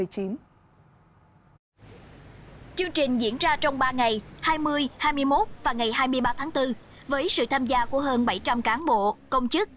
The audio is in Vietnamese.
chương trình diễn ra trong ba ngày hai mươi hai mươi một và ngày hai mươi ba tháng bốn với sự tham gia của hơn bảy trăm linh cán bộ công chức